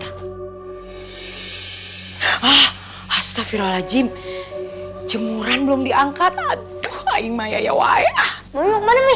astagfirullahaladzim jemuran belum diangkat aduh aima ya yawaya